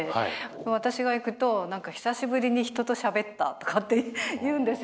私が行くと「何か久しぶりに人としゃべった」とかって言うんですよね。